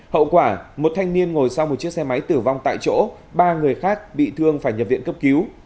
hậu quả một thanh niên ngồi sau một chiếc xe máy tử vong tại chỗ ba người khác bị thương phải nhập viện cấp cứu